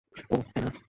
ওহ, Anna.